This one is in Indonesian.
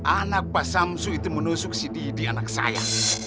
anak pak samsu itu menusuk si didi anak saya